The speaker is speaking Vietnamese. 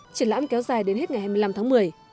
triển lãm kéo dài đến hết ngày hai mươi năm tháng một mươi